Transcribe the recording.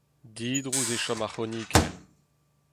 Didrouz e chom ar c'hroniker.